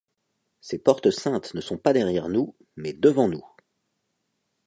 Ces portes saintes ne sont pas derrière nous, mais devant nous.